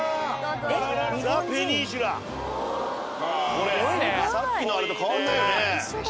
これさっきのあれと変わんないよね。